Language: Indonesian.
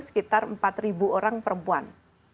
sekitar empat orang perempuan